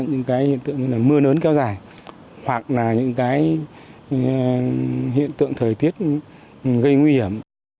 những cái hiện tượng như là mưa lớn kéo dài hoặc là những cái hiện tượng thời tiết gây nguy hiểm